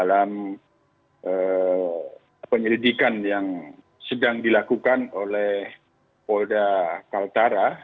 dalam penyelidikan yang sedang dilakukan oleh polda kaltara